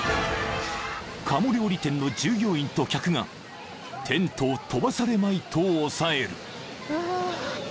［の従業員と客がテントを飛ばされまいと押さえる］